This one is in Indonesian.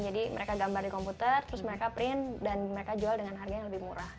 jadi mereka gambar di komputer terus mereka print dan mereka jual dengan harga yang lebih murah